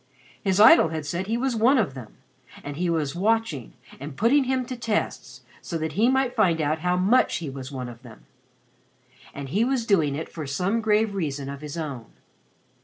His idol had said that he was "one of them" and he was watching and putting him to tests so that he might find out how much he was one of them. And he was doing it for some grave reason of his own.